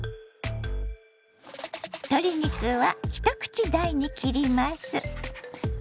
鶏肉は一口大に切ります。